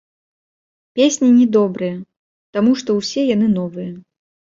Песні не добрыя, таму што ўсе яны новыя.